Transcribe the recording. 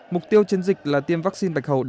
mục tiêu chiến dịch là tiêm vaccine bạch hầu